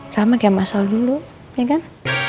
sama kayak mas saul dulu ya kan